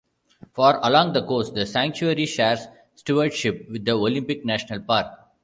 For along the coast, the sanctuary shares stewardship with the Olympic National Park.